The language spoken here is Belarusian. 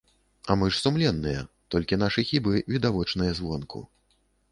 А мы ж сумленныя, толькі нашы хібы відавочныя звонку.